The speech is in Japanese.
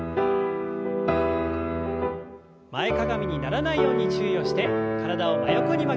前かがみにならないように注意をして体を真横に曲げます。